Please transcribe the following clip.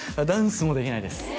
ダンスもできないです